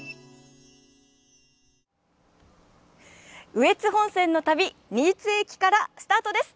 羽越本線の旅新津駅からスタートです。